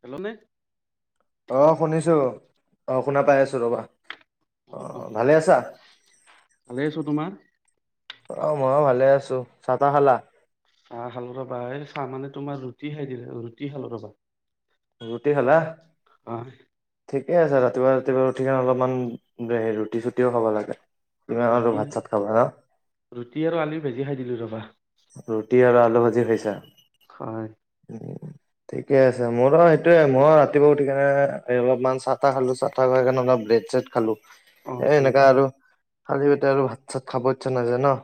Hello নে অ', শুনিছোঁ অহ, শুনা পাই আছোঁ ৰ'বা। অ', অ', ভালে আছা ভালে আছোঁ, তোমাৰ? অ', ময়ো ভালে আছোঁ, চাহ তাহ খালা? চাহ খালোঁ ৰ'বা এই চাহ মানে তোমাৰ ৰুটি খাই দিলো, ৰুটি খালোঁ ৰ'বা। ৰুটি খালা? হয় ঠিকে আছে ৰাতিপুৱা ৰাতিপুৱা সেইকাৰণে অলপমান হে ৰুটি চুটিও খাব লাগে। কিমান আৰু ৰুটি ভাত চাত খাবা, ৰুটি আৰু আলু ভাজি খাই দিলো ৰবা ৰুটি আৰু আলু ভাজি খাইছা? হয় উম। ঠিকে আছে। মোৰো সেইটোৱে ময়ো ৰাতিপুৱা উঠি কিনে অলপমান চাহ তাহ খালোঁ, চাহ তাহ খাই কিনে অলপ ব্ৰেড চেড খালোঁ। অ এ ব্ৰেড এনেকা আৰু খালি পেটে আৰু ভাত চাত খাব ইচ্ছা নাযায় ন।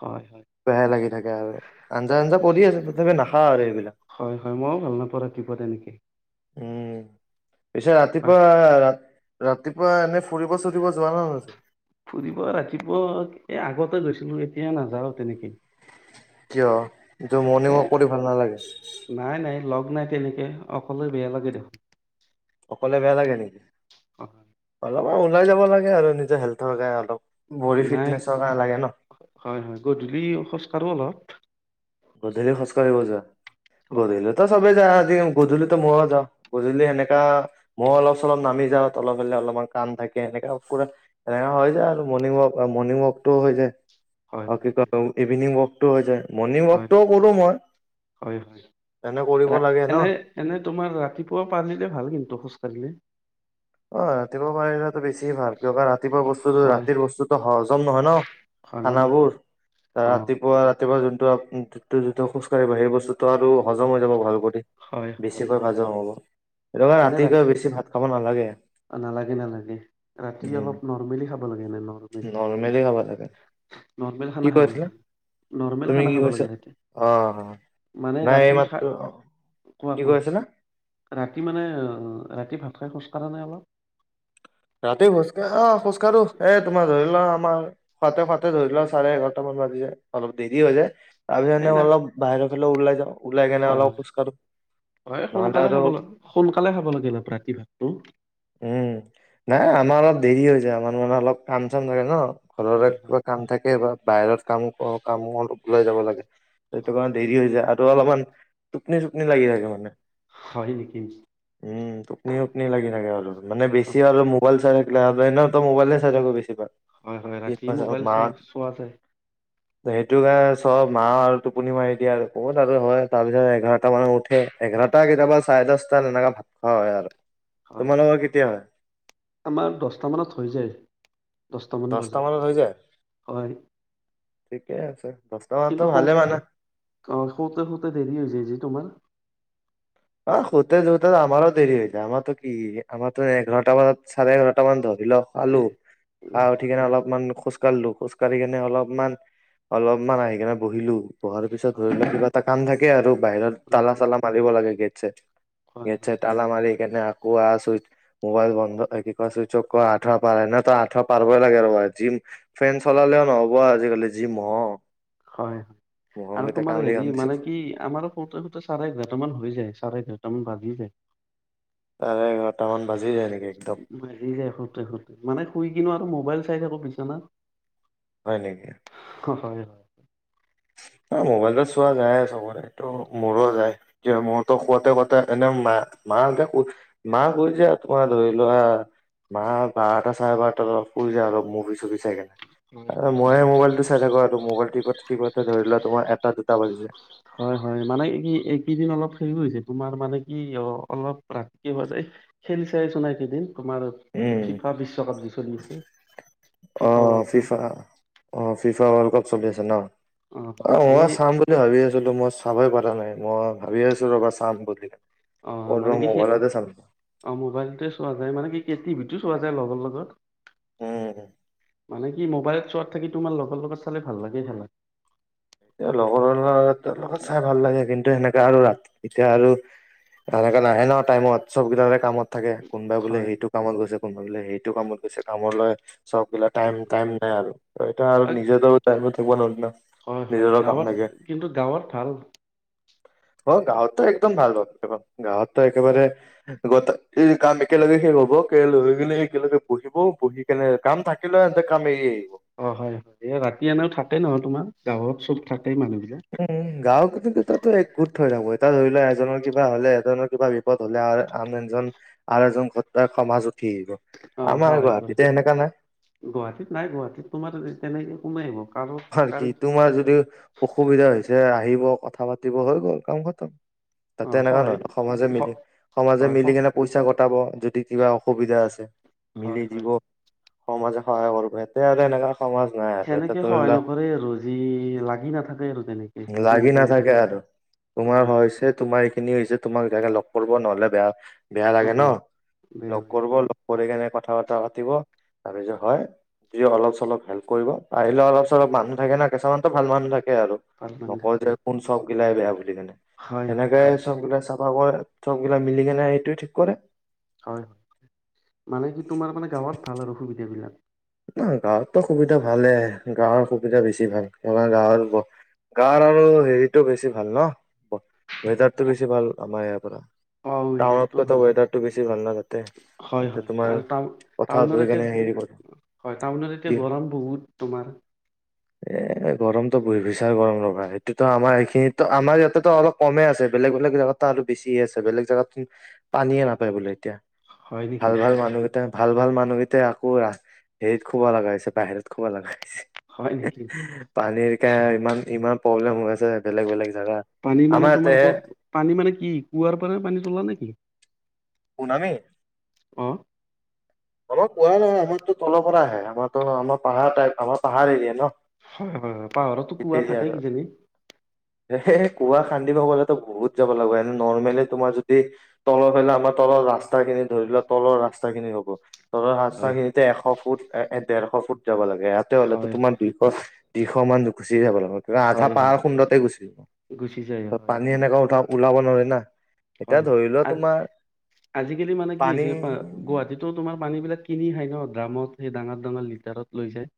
হয় হয় বেহাই লাগি থাকে, আৰু আঞ্জা আঞ্জা কৰি আছে তথাপি নাখাওঁ আৰু এইবিলাক। হয় হয় মইও ভাল নাপাওঁ [inaudible] উম। পিছে বাকী ৰাতিপুৱা ৰা ৰাতিপুৱা এনে ফুৰিব চুৰিব যোৱা নে নোযোৱা? ফুৰিব ৰাতিপুৱা, এ আগতে গৈছিলো, এতিয়া নাযাও তেনেকে। কিয়? মৰ্ণিং এ ৱাক কৰি ভাল নালাগে? নাই নাই লগ নাই তেনেকে অকলে বেয়া লাগে দে। অকলে বেয়া লাগে নেকি? অ'। অলপমান ওলাই যাব লাগে আৰু নিজৰ হেল্থৰ কাৰণে অলপ। বডি নাই, ফিটনেছৰ কাৰণে লাগে ন? হয় হয় গধূলি খোজ কাঢ়ো অলপ। গধূলি খোজ কাঢ়িব যোৱা? হয় গধূলিতো সবে যায়। গধূলিতো ময়ো যাওঁ গধূলি সেনেকা মই অলপ চলপ নামি যাওঁ তলৰ ফালে অলপমান কাম থাকে সেনেকা পুৰা সেনেকা হৈ যায় আৰু মৰ্ণিং ৱক মৰ্ণিং ৱকটো হৈ যায় হয় অ' কি হয় হয় কয় ইভিনিং ৱাক টো হৈ যায় মৰ্ণিং ৱাক। হয়, কৰিব এনে, লাগে ন। এনে এনে তোমাৰ ৰাতিপুৱা পাৰিলে ভাল কিন্তু খোজকাঢ়িলে। অ ৰাতিপুৱা পাৰিলেটো বেছি ভাল কিয় কাৰণ ৰাতিপুৱা বস্তুটো হয় ৰাতিৰ বস্তুটো সহজ [unintelligible] নহয় ন কাৰণ খানাবোৰ, অ ৰাতিপুৱা ৰাতিপুৱা যোন [unintelligible] খোজকাঢ়িবা সেই বস্তুতটো আৰু হজম হৈ যাব ভাল কৰি হয় হয় বেছিকৈ হয় হজম হ'ব সেইটো কাৰণে এনে ৰাতিকে ৰাতি বেছি ভাত খাব নালাগে। নালাগে নালাগে ৰাতি উম অলপ নৰ্মেলি খাব লাগে এনে নৰ্মেলি, খাব লাগে নৰ্মেল কি কৈছিলা তুমি খানা কি খাব কৈছা লাগে ৰাতি অ মানে নাই ৰাতি এইমাত্ৰ অ [unintelligible] কোৱা কি কৈ কোৱা আছিলা ৰাতি মানে ৰাতি ভাত খোজ কঢ়ানে অলপ [inaudible] ৰাতি খোজকা আহ খোজ কাঢ়ো, এই তোমাৰ ধৰি ল [unintelligible] আমাৰ [unintelligible] ধৰি লও চাৰে এঘাৰটা মান বাজি যায় অলপ দেৰি হৈ যায়। তাৰপিছত এই এনেই নাই অলপ বাহিৰত [unintelligible] ওলাই যাওঁ ওলাই কেনে হয় অলপ হয়, খোজকাঢ়ো হয় নহ'লে সোনকালে আৰু খাব লাগে সোনকালে খাব লাগে অলপ ৰাতি ভাতটো উম নাই আমাৰ অলপ দেৰি হৈ যায় আমাৰ মানে অলপ কাম চাম থাকে ন ঘৰৰে হয় হয় কিবা কাম হয় থাকে বা বাহিৰত কাম অ কাম [unintelligible] ওলাই যাব লাগে সেইটো হয় কাৰণে হয় দেৰি হৈ যায় টো অলপমান টোপনি-চুপনি লাগি থাকে মানে। হয় নেকি উম টোপনি-চুপনি লাগি থাকে আৰু মানে বেছি হয় আৰু [unintelligible] মোবাইল নে চাজাব বেি পা হয় হয় ৰাতি মোবাইল চা চোৱা যায় সেইটো কাৰণে চব মা আৰু টোপনি মাৰি দিয়ে আৰু ক'ত আৰু হয় তাৰপিছত এঘাৰটা মানে উঠে এঘাৰটা কেতিয়াবা চাৰে দচটাাত এনেককাে ভাত খোৱা হয় আৰু হয় হয় তোমালোকৰ কেতিয়া হয়? আমাৰ দশটামানত হৈ যায়। দশটামান দহটা মানত বজাত, হৈ যায় হয়। ঠিকে আছে। দহটা মানতো কিন্তু, ভালে মানা অঁ শওঁতে শোওঁতে দেৰি হৈ যায় যে তোমাৰ অ সতে ধতে আমাৰো দেৰি হৈ যায় আমাৰতো কি আমাৰতো এঘাৰটা মান চাৰে এঘাৰটা মান ধৰ ধৰি লওক খালো, এ খাই উঠি হয় কিনে অলপমান খোজ খোজকাঢ়লো, খোজকাঢ়ি কিনে অলপমান, অলপমান আহি কিনে বহিলো। পঢ়াৰ পিছত ধৰি হয় লও কিবা এটা কাম থাকে। কে আৰু বাহিৰত হয় তালা হয় চালা মাৰিব লাগে গেট আচছা হয় গেট চেট তলা মাৰি কেনে কোৱা চুইচ মোবাইল বন্ধ চুইচ অফ আঠুৱা পাৰ এনে তো আঠুৱা পাৰবই লাগে ৰবা জিম ফেন চলালেও নহব আজিকালি জি মহ অ'। হয় হয়, আৰু তোমাৰ হেৰি কামুৰি মানে কি আমাৰ শুতে শুতে চাৰে এঘাৰটা মান হৈ যায়। চাৰে এঘাৰটা মান বাজি যায়। চাৰে এঘাৰটামান বাজি যায় নেকি? একদম বাজি যায় শুতে শুতে, মানে শুই কিনেও আৰু মোবাইল চাই থাকো বিচনাত। হয় নেকি? হয় হয় হয়। অ' মোবাইল চোৱা যায় চবৰেটো মোৰো যায়, মোৰতো শুৱাতে শুৱাতে, ‌ এনে মা মাহতে ক মা কৈ যে তোমাৰ ধৰি লোৱা মা বাৰটা চাৰে বাৰটা অলপ শুই য অলপ মৰি চুৰি চাই কেনে হয় মইয়ে মোবাইলটো চাই থাকো আৰু তটো মোবাইল টি টত ধৰি লোৱা তোমাৰ এটা দুটা বাজি যায়। হয় হয় হয় মানে কি এইকেইদিন অলপ হেৰি হৈছে তোমাৰ মানে কি অ' অলপ ৰাতি হোৱা যায়! খেলি চাই আছোঁ না এইকেইদিন। তোমাৰ উম ফিফা বিশ্বকাপ যে চলি আছে। ফিফা অ', ৱৰ্ল্ড কাপ ফিফ ফা অ' ফিফা ৱৰ্ল্ড কাপ চলি আছে ন'? হয় অ' মই এই চাম বুলি ভাবি আছিলোঁ, মই চাবই পাৰা নাই। মই ভাবি আছোঁ ৰ'বা চাম বুলি। অ', ক'ত বা মানে কি সেই! মোবাইলতে চাম অ', মোবাইলতে চোৱা যায় মানে কি [unintelligible] টিভিতো চোৱা যায় লগৰ লগত। উম। মানে কি মোবাইলত চোৱাত থাকি, তোমাৰ লগৰ লগত চালে ভাল লাগে খেলা। এ লগৰৰ লগত [unintelligible] চাই ভাল লাগে, কিন্তু সেনেকাে আৰু ৰাতি এতিয়া আৰু সেনেকা নাহে নহয়! টাইমত চব বিলাকে কামত থাকে। কোনোবা বোলে হয় সেইটো কামত গৈছে কোনোবা বোলে সেইটো কামত গৈছে কামলৈ। চববিলাক হয় টাইম-টাইম হয় নাই আৰু এতিয়া আৰু নিজেটো টাইমত থাকিব লাগিব না। হয় হয়, গাওঁত কিন্তু গাওঁত ভাল। অ', গাওঁতটো একদম ভাল হয়। গাওঁতটো একেবাৰে গোটে [unintelligible] কাম একেলগে শেষ হ'ব। [unintelligible] হৈ গ'লে একেলগে বহিবও, বহি কেনে কাম থাকিলে ইহঁতে কাম এৰি-এৰি অ', হয়, এই ৰাতি এনেও থাকে নহয় তোমাৰ গাওঁত চব থাক উম! গাঁও কিন্তু তাতো একগোট হৈ থাকোঁ এতিয়া ধৰি ল এ জনৰ কিবা হ'লে এজনৰ কিবা বিপদ হ'লে আ আন এজন আৰু এজন ঘট সমাজত অ সহায় কৰে। নাই গুৱাহাটীত নাই গুৱাহাটীত তোমাৰ তেনেকে সোমাই আহিব। কাৰো হয় কাৰ কি তোমাৰ যদি অসুবিধা হৈছে। আহিব, কথা পাতিব হৈ গ'ল কাম খতম। অ তাতে এনেকুৱা সহায় নহয় সমাজে হ মিলি সমাজে হয় হ মিলিকেনে পইচা গোটাব যদি কিবা অসুবিধা আছে মিলি হয় হয় দিব। সমাজে সহায় কৰিব ইয়াতে আৰু এনেকা সমাজ নাই আৰু ইয়াতে সেনেকে সহায় নকৰে আৰু যি লাগি নাথাকে আৰু তেনেকে বহু লাগি টাইমটো অ হয় এইখিনি হৈছে। তোমাক সেইকাৰণে লগ কৰিব নহ'লে বেয়া বেয়া অ লাগে ন বিৰাট বেয়া লগ বেয়া কৰিব লগ কৰি কেনে কথা বতৰা পাতিব তাৰপিছত হয় যি অলপ চলপ হেল্প কৰিব। আহিলেও অলপ চলপ হয়, মানুহ থাকে না। কিছুমানটো ভাল মানুহ থাকে আৰু ভাল মানে নকই থাকে যে কোন চব বিলাই বেয়া হয় হয় সেনেকাই হয় চববিলাক চাফা কৰে চব গিলা মিলি কেনে এইটোয়ে ঠিক কৰে। হয় হয়, মানে কি তোমাৰ মানে গাঁৱত ভাল আৰু সুবি- সিবিলাক অহ গাঁৱততো সুবিধা ভালে গাঁৱৰ সুবিধা বেছি ভাল। আমাৰ গাঁৱত গ গাঁওত আৰু হেৰিতটো বেছি ভাল ন? ৱেদাৰ টো বেছি ভাল আমাৰ ইয়াত- কৰা অ এতিয়াতো টাউনতকৈতো ভাল ৱেদাৰটো বেছি ভাল ন তাতে। হয় তাতে হয় তোমাৰ আৰু টাউ পথাৰত টাউনত বহি এতিয়া কেনে হেৰি কৰ হয়, টাউনত এতিয়া গৰম বহুত তোমাৰ এ গৰমতটো বহি ভিচাৰ গৰম লগা হয় সেইটোতো আমাৰ এইখিনিতো আমাৰ ইয়াতেতো অলপ কমেই আছে বেলেগ বেলেগ জেগাত আৰু বেছিয়ে আছে বেলেগ জেগাত পানীয়ে নাপায় বোলে এতিয়া হয় নেকি ভাল ভাল মানুহ কেইটা ভাল-ভাল মানুহকেইটা আকৌ ৰা- হেৰিত শুব লগা হৈছে। বাহিৰত শুবা লাগা হয় নেকি পানীৰ কে ইমান-ইমান প্ৰবলেম হৈ আ পানী মানে তোমালোকৰ পানী মানে কি? কুঁৱাৰ পৰা পানী তোলা নেকি? [unintelligible] অ তলত কুৱা নাই, আমাৰ এইটো তলৰ পৰা আহে। আমাৰতো, আমাৰ পাহাৰটাইপ, আমাৰ পাহাৰ এৰিয়া ন। হয়, হয়, হয়। পাহাৰতো হিল কুৱা থাকেই কিজানি? কুৱা খান্দিব গ'লেতো বহুত যাব লাগিব। এনে নৰ্মেলি তোমাৰ যদি তলৰ ফলে আমা তলৰ ৰাস্তাখিনি ধৰি লোৱা। তলৰ ৰাস্তা খিনি হ'ব। তলৰ হয় ৰাস্তাখিনিতে এশ ফুট এ-এ ডেৰশ ফুট যাব লাগ ইয়াতে হ'লেতো হয় তোমাৰ দুইশ হয় দুইশ মান গুচিয়ে যাব লাগিব। আধা হয় পাহাৰ হয় খুন্দুতেই গুচি, গুচি যায় হয় পানী এনেকে উঠাব ওলাব নাৱাৰি না। এতিয়া হয় হয় ধৰি লোৱা আ তোমাৰ আজিকালি মানে কি পানী হৈছে পা-গুৱাহাটীতো তোমাৰ পানী বি বিলাক কিনি খাই ন ড্ৰামত, সেই ডাঙৰ ডাঙৰ লিটাৰত লৈ যায়।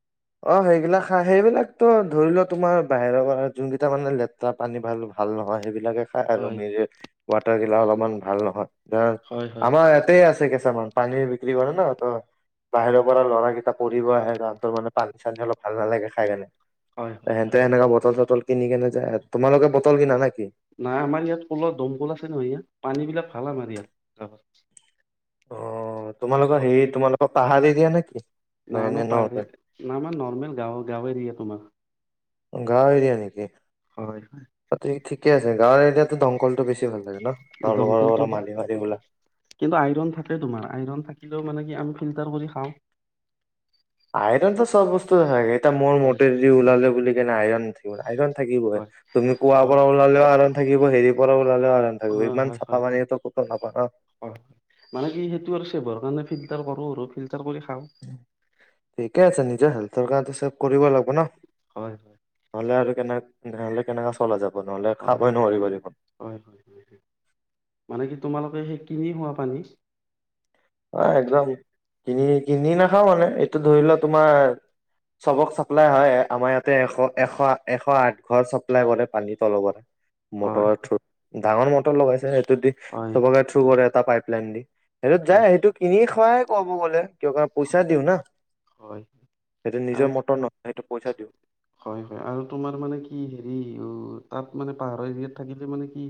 অ' সেইবিলাক খা সেইবিলাকতো ধৰি লোৱা তোমাৰ বাহিৰৰ পৰা যোন কেইটাৰ মানে লেতেৰা পানী ভাল ভাল নহয় সেইবিলাকে খাই আৰু হয় [unintelligible] ৱাটাৰ গিলা অলপ ইমান ভাল নহয়। দ হয় হয় আমাৰ ইয়াতে আছে পানী বিক্ৰী কৰে ন, ত বাহিৰৰ পৰা ল'ৰাকেইটা পঢ়িব আহে তাহতৰ মানে পানী চানী অলপ ভাল নালাগে খাই কিনে। হয় হয় এহেতে হয়। এনেকা বতল চতল কিনি কেনে যায়, তোমালোকে বটল কিনা নাই? নাই আমাৰ ইয়াত কলৰ, দমকল আছে নহয় ইয়াত পানী বিলাক খালা মাৰিয় যাব অ'। তোমালোকৰে হেৰি তোমালোকৰ পাহাৰ এৰিয়া নেকি? না নাই নাই আমাৰ প নৰ্মেল ন আমাৰ নৰ্মেল গাঁৱৰ গাঁৱ এৰিয়া তোমাৰ। গাওঁ এৰিয়া নেকি? হয় হয়। গাঁও এৰিয়াতো দমকলটো বেছি ভাল লাগে। ন দলঘৰৰ দমকলটো, পৰা মাৰি মাৰি ওলা কিবা আইৰন থাকে তোমাৰ আইৰন থাকে? ক মানে কি আমি ফিল্টাৰ কৰি খাওঁ। আইৰন টো চ'ব বস্তুটে থাকে। এটা মোৰ হয় মতে দি ওলালে বুলি আইৰন থ গা আইৰন থাকিব হয় তুমি কোৱাব হয়। পৰা ওলালেও আ থাকিব হেৰি পৰা ওলালেও আইৰণ থাকিব হয় ইমান হয় চাফা হয় পানীতো ক'তো নাপা ন। হয় মানে কি সেইটো আৰু চব কাৰণে ফিল্টাৰ কৰো আৰু ফিল্টাৰ কৰি খাওঁ। ঠিকেই আছে নিজ হাল ৰ কাৰণটো চব কৰিব লাগিব। হব ন হয় হয়। নহলে আৰু কেনে ধৰণলৈ কেনেকৈ চলা যাব। নহ'লে খাবই নোৱাৰিব দেখোন হয় হয় মানে কি তোমালোকে সেই কিনি খোৱা পানী। অ একদম। কিনি কিনি নাখাও মানে এইটো ধৰি লও তোমাৰ চবক চাপ্লাই হয় আমাৰ ইয়াতে এশ এশ এশ আঠ ঘৰ চাপ্লাই কৰে পানীৰ তলৰ, হয়, মটৰ ডাঙৰ মটৰ লগাইছেনে। যদি হয়। চবাকে থ্ৰু কৰে। পাইপ লাইন দি এটোত হয়, যাই। [unintelligible] ক'ব গ'লে। কিয় কাৰণ পইচা দিওঁ না হয় সেইটো আৰু নিজৰ মতৰ নহয় সেইটো পইচা দিও। হয় হয় আৰু তোমাৰ মানে কি হেৰি তাত মানে পাহাৰৰ এৰিয়াত থাকিলে মানে কি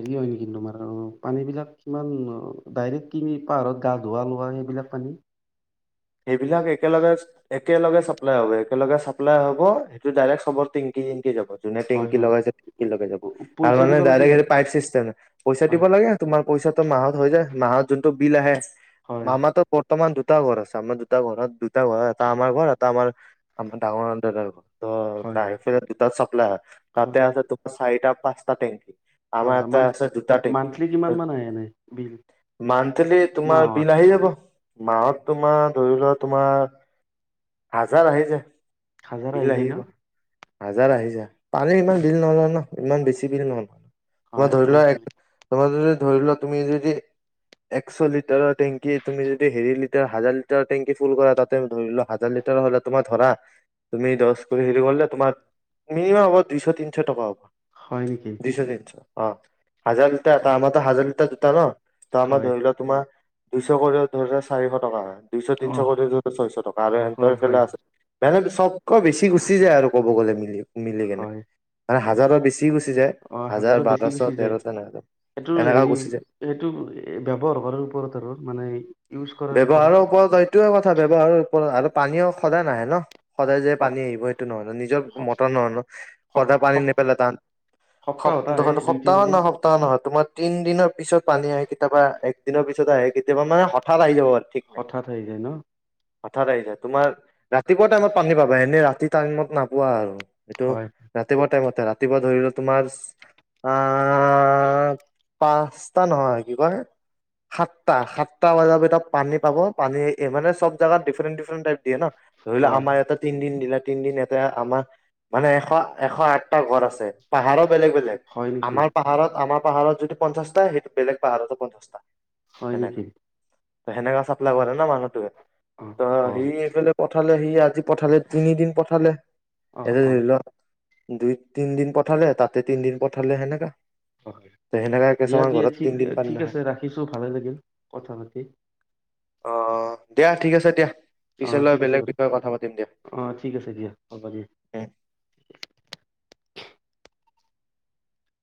হেৰি হয় নেকি তোমাৰ পানীবিলাক কিমান ডাইৰেক্ট কিনি পাহাৰত গা ধোৱা লোৱা সেইবিলাক পানী সেইবিলাক একেলগে একেলগে চাপ্লাই হব একেলগে চাপ্লাই হব। ডাইৰেক্ চবৰ টেংকি টেংকি যাব, যোনে হয়, টেংকি হয় লগাইছেটেংকি লৈকে যাব পইচা তাৰমানে দিব লাগে? ডাইৰেক্ট পাইপ চিষ্টেম পইচা দিব হয়, লাগে তোমাৰ পইচাটো মাহত হৈ যায় মাহত যোনটো বিল আহে হয়, মামাটো বৰ্তমান দুটা ঘৰ আছে। আমাৰ দুটা ঘৰত দুটা ঘৰত এটা আমাৰ ঘৰ এটা আমাৰ আমাৰ ডাঙৰ দাদাৰ ঘৰ। অ হয়, হয়, বাহিৰৰ ফালে দুটা চাপ্লাই হয়, তাতে হয়, আৰু আছে তোমাৰ চাৰিটা পাঁচটা টেংক হয় আমাৰ এটা মান আছে দুটা টেংকি, মান্থলি কিমান মান আহে এনে বিল মন্থলি তোমাৰ মাহত? বিল আহি যাব। মাহত তোমাৰ ধৰি লোৱা তোমাৰ হাজাৰ আহি যাই হাজাৰ আহিছে ন? হাজাৰ আহিছো পানী ইমান বিল নলয় ন ইমান বেছি বিল নলয়। তোমাৰ হয়, ধৰি লোৱা হয়, এক তোমাৰ ধৰি লোৱা তুমি যদি একশ লিটাৰৰ টেংকি তুমি যদি হেৰি লিটাৰ হাজাৰ লিটাৰ টেংকি ফুল কৰা তাতে ধৰি লোৱা হাজাৰ লিটাৰ হলে তোমাৰ ধৰা তুমি দহ কৰি হেৰি কৰিলে তোমাৰ মিনিমাম হ'ব দুইশ তিনিশ টকা হ'ব। হয় নেকি? দুইশ তিনশ। অ' হাজাৰ লিটা অ, আমাৰ [inaudible] ত ন? ত আমাৰ হয়, ধৰিল তোমাৰ দুইশ কৰিব ধৰিলে চাৰিশ টকা হয়। দুইশ অ, তিনিশ কৰি ছয়শ টকা আৰু সেহতঁৰ হয়, ফালে হয়, আছে মানে চবকৈ বেছি গুচি যায় আৰু ক'ব গ'লে মিলি। মিলি কেনে হয় মানে অঁ হাজাৰৰ বেছি গুচি যায় অঁ হাজাৰ হাজাৰো বেছি বাৰশ গুচি যায় তেৰশ এনেকা সেইটো এনেকা হেৰি গুচি যায় সেইটো ব্যৱহাৰ কৰাৰ ওপৰত আৰু মানে ইউজ কৰাৰ ওপৰত। ব্যৱহাৰৰ এইটোয়ে কথা ব্যৱহাৰ আৰু পানী সদায় নাহে ন! সদায় যে পানী আহিব সেইটো নহয় ন নিজৰ মটৰ নহয় ন সদায় পানী নেপেলাই তাহ সপ্তাহত আহে দুই সপ্তাহৰ তিনিদিন নহয় সপ্তাহ নহয় তোমাৰ তিন দিনৰ পিছত পানী আহে কেতিয়াবা এক দিনৰ পিছত আহে কেতিয়াবা মানে হঠাৎ আহি যাব পাৰে ঠিক নাই। হঠাৎ আহি যায় ন! হঠাৎ আহি যায় তোমাৰ ৰাতি পুৱা টাইমত পানী পাবা এনে ৰাতি টাইমত নাপোৱা আৰু! এইটো হয় ৰাতিপুৱা টাইমত ৰাতিপুৱা ধৰিলো তোমাৰ আ পাঁচটা নহয় কি কয় সাতটা সাতটা বজাৰ ভিতৰত পানী পাব পানী এই মানে চব জেগাতা ডিফৰেণ্ট ডিফৰেণ্টাইপ দিয়ে ন! ধৰি লও হয় আমাৰ ইয়াত তিন দিন দিলে তিন দিন এটা আমাৰ মানে এশ এশ আঠটা ঘৰ আছে পাহাৰত বেলেগ বেলেগ হয় নেকি আমাৰ পাহাৰত আমাৰ পাহাৰত যদি পঞ্চাছটা সেইটো বেলেগ পাহাৰত পঞ্চাছটা। হয় নেকি? হেনেকা চাক লব পাৰে ন মানুহটোৱে অ সি এইফালে [inaudible] পঠালে সি আজি পঠালে তিনিদিন পঠালে অ এটা অ ধৰি লোৱা দুই তিনদিন পঠালে তাতে তিনিদিন পঠালে হেনেকা। [unintelligible] দিয়া দিয়া, ঠিক, তিনদিন পানী ঠিক নাখায় আছে ৰাখিছো, ভালে লাগিল কথা পাতি। অ', দিয়া ঠিক আছে দিয়া। অ', পিছলৈ ঠিক আছে বেলেগ বাৰু। বিষয়ে কথা পাতিম দিয়া অ', ঠিক আছে দিয়া হ'ব দিয়া। উম